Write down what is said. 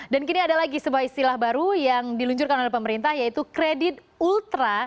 dan kini ada lagi sebuah istilah baru yang diluncurkan oleh pemerintah yaitu kredit ultra